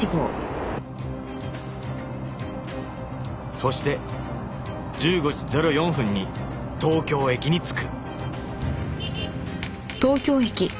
そして１５時０４分に東京駅に着く